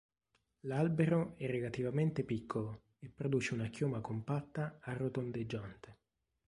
L'albero è relativamente piccolo e produce una chioma compatta a rotondeggiante.